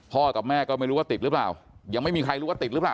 กับแม่ก็ไม่รู้ว่าติดหรือเปล่ายังไม่มีใครรู้ว่าติดหรือเปล่า